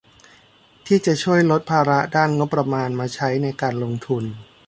ที่จะช่วยลดภาระด้านงบประมาณมาใช้ในการลงทุน